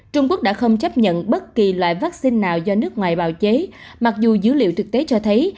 trung quốc đã không chấp nhận bất kỳ loại vaccine nào do nước ngoài bào chế mặc dù dữ liệu thực tế cho thấy